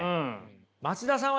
松田さんはね